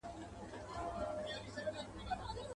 په شنو طوطیانو ښکلی ښکلی چنار.